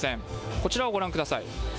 こちらをご覧ください。